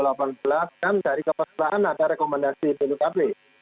ketika mengambil audit dua ribu delapan belas kan dari kepulauan ada rekomendasi bpkp